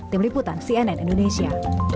tim liputan cnn indonesia